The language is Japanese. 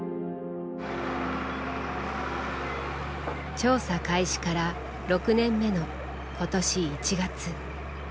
調査開始から６年目の今年１月。